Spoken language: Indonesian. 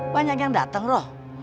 banyak yang dateng roh